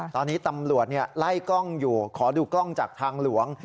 ตอนนี้ตำรวจไล่กล้องอยู่ขอดูกล้องจากทางหลวง